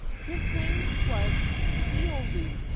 His name was Hiolo.